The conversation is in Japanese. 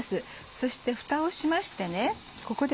そしてフタをしましてここで。